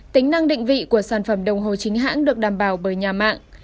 tính năng định vị của sản phẩm đồng hồ chính hãng được đảm bảo bởi nhà mạng